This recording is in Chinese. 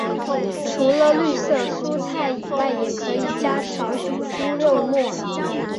除了绿色蔬菜以外也可以加少许猪肉末。